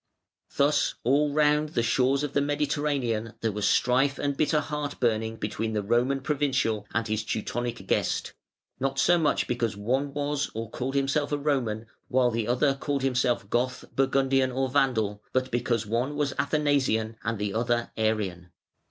Thus all round the shores of the Mediterranean there was strife and bitter heart burning between the Roman provincial and his Teutonic "guest", not so much because one was or called himself a Roman, while the other called himself Goth, Burgundian, or Vandal, but because one was Athanasian and the other Arian.